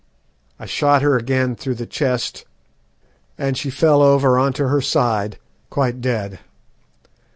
I shot her again through the chest, and she fell over on to her side quite dead.